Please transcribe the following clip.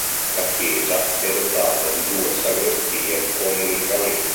La chiesa è dotata di due sagrestie comunicanti.